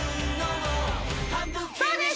そうです